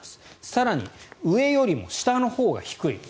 更に、上よりも下のほうが低い。